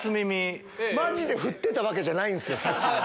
マジでふってたわけじゃないんすよ。